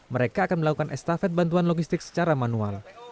mereka akan melakukan estafet bantuan logistik secara manual